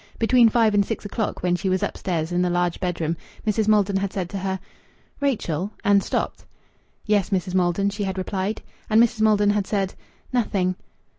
Between five and six o'clock, when she was upstairs in the large bedroom, Mrs. Maldon had said to her, "Rachel " and stopped. "Yes, Mrs. Maldon," she had replied. And Mrs. Maldon had said, "Nothing."